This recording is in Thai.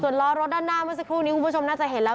ล้อรถด้านหน้าเมื่อสักครู่นี้คุณผู้ชมน่าจะเห็นแล้ว